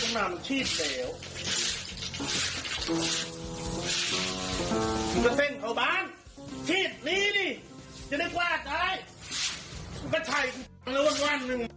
มันก็ใช่อย่าไปไปอย่าไปไหนอ่ะ